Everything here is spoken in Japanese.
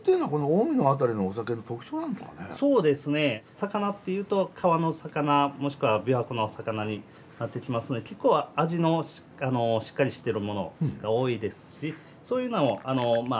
魚っていうと川の魚もしくは琵琶湖の魚になってきますので結構味のしっかりしてるものが多いですしそういうのを洗い流す